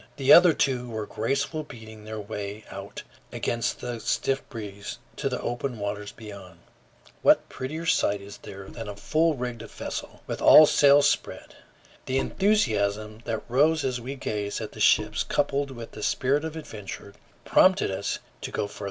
The other two were gracefully beating their way out against the stiff breeze to the open waters beyond. What prettier sight is there than a full rigged vessel with all sails spread! The enthusiasm that rose as we gazed at the ships, coupled with a spirit of adventure, prompted us to go farther.